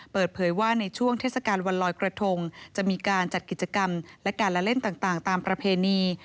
เปิดเผยว่าในช่วงเทศกาลวันลอยกระทงจะมีการจัดกิจกรรมและการละเล่นต่างตามประเพณี